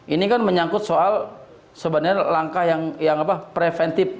ini kan menyangkut soal sebenarnya langkah yang preventif